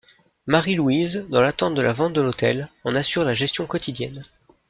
Marie-Louise, dans l'attente de la vente de l'hôtel, en assure la gestion quotidienne.